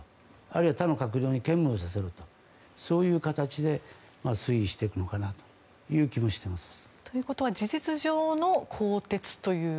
あるいは他の閣僚に兼務をさせるという形で推移していくのかなという事実上の更迭という。